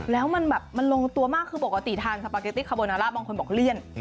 แล้วมันลงตัวมากคือปกติทานสปาเกตติคาร์โบนาร่าบางคนบอกเลี่ยน